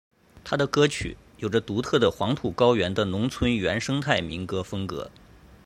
他的歌曲有着独特的黄土高原的农村原生态民歌风格。